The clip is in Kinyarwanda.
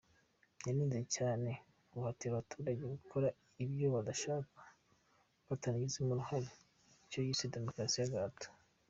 Yanenze cyane guhatira abaturage gukore ibyo badashaka batanagizemo uruhare icyo yise ‘Demokarasi y’agahato’.